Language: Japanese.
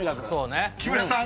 ［木村さん